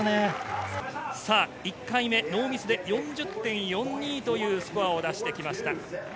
１回目、ノーミスで４０．４２というスコアを出してきました。